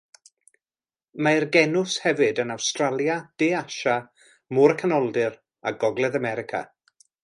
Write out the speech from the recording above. Mae'r genws hefyd yn Awstralia, De Asia, Môr y Canoldir, a Gogledd America.